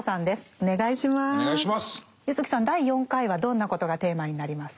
柚木さん第４回はどんなことがテーマになりますか？